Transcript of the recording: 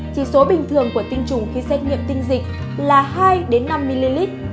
chỉ số bình thường của tinh trùng khi xét nghiệm tinh dịch là hai năm ml